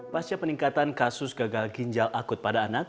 pasca peningkatan kasus gagal ginjal akut pada anak